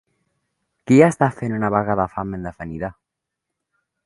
Qui està fent una vaga de fam indefinida?